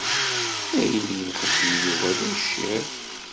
Ayen i yexdem Yuba d ucciḍ.